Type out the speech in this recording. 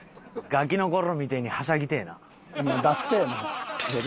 ガキの頃みてえにはしゃぎてえな。